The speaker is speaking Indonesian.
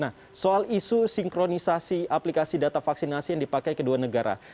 nah soal isu sinkronisasi aplikasi data vaksinasi yang dipakai kedua negara